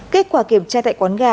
kết quả kiểm tra tại quán gà